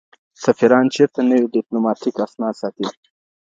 سفیران چیرته نوي ډیپلوماټیک اسناد ساتي؟